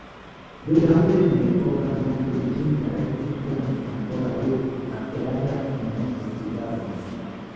Bedaŭre mi ne povas montri ĝin rete, kiam ĝi ankoraŭ aperadas en festivaloj.